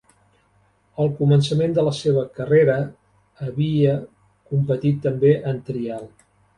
Al començament de la seva carrera havia competit també en trial.